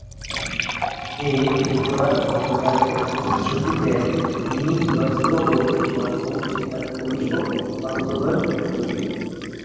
দেব ত্রিপুরার কর্মচারীদের প্রতিশ্রুতি দেন, তিনি নির্বাচিত হলে সপ্তম বেতন কমিশন বাস্তবায়ন করবেন।